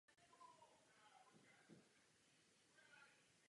Patří mezi malá námořnictva.